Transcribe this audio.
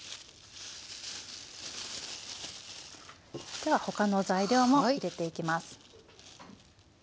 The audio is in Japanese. では他の材料も入れていきます。